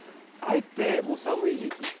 あえてもう寒い時期。